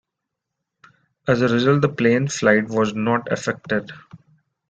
As a result the plane's flight was not affected.